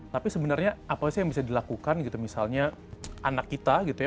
tapi sebenarnya apa sih yang bisa dilakukan gitu misalnya anak kita gitu ya